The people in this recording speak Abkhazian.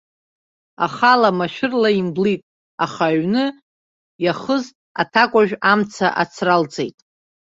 Ахала, машәырла имблит, аха аҩны иахыз, аҭакәажә амца ацралҵеит.